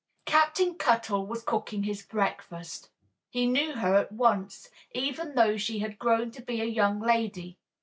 Captain Cuttle was cooking his breakfast. He knew her at once, even though she had grown to be a young lady.